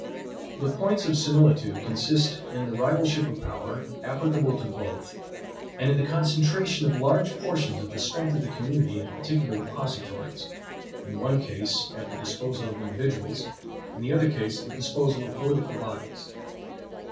The points of similitude consist in the rivalship of power, applicable to both, and in the CONCENTRATION of large portions of the strength of the community into particular DEPOSITORIES, in one case at the disposal of individuals, in the other case at the disposal of political bodies.